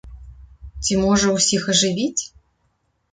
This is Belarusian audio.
Ці, можа, усіх ажывіць?